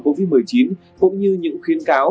covid một mươi chín cũng như những khuyến cáo